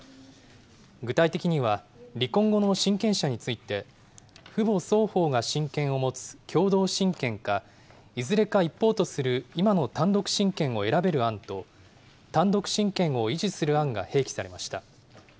具体的には、離婚後の親権者について、父母双方が親権を持つ共同親権か、いずれか一方とする今の単独親権を選べる案と、単独親権を維持する案が併記されました。